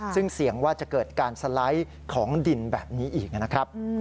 ซึ่งเสี่ยงว่าจะเกิดการสไลด์ของดินแบบนี้อีกนะครับ